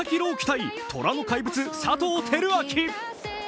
対トラの怪物佐藤輝明。